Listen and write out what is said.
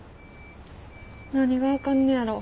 何があかんねやろ。